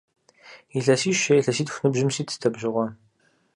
Илъэсищ е илъэситху ныбжьым ситт абы щыгъуэ.